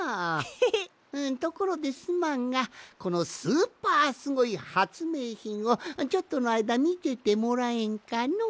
ところですまんがこのスーパーすごいはつめいひんをちょっとのあいだみててもらえんかのう？